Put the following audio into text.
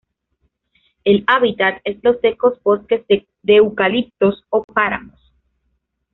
El hábitat es los secos bosques de eucaliptos o páramos.